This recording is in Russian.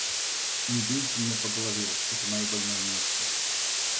Не бейте меня по голове, это мое больное место.